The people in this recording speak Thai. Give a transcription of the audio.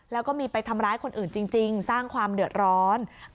แล้วก็มีไปทำร้ายคนอื่นจริงสร้างความเดือดร้อน